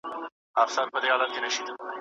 شیدې پرېښودل ممکن ګټه وکړي.